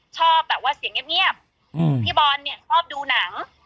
ชอบแบบว่าเสียงเงียบพี่บอลเนี่ยชอบดูหนัง